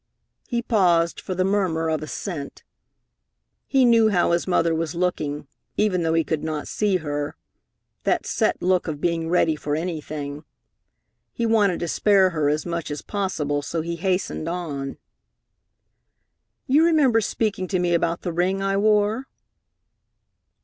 He paused for the murmur of assent. He knew how his mother was looking, even though he could not see her that set look of being ready for anything. He wanted to spare her as much as possible, so he hastened on: "You remember speaking to me about the ring I wore?"